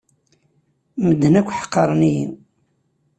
Medden akk ḥeqren-iyi.